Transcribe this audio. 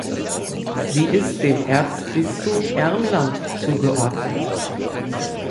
Sie ist dem Erzbistum Ermland zugeordnet.